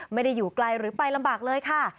ไม่ได้อยู่ไกลหรือไปลำบากเลยค่ะ